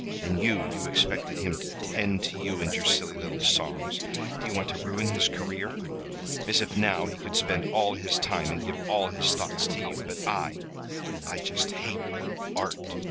And you you expected him to tend to you and your silly little songs. Do you want to ruin his career? As if now he could spend all his time and give all his thoughts to you! But I I just hate that Art!"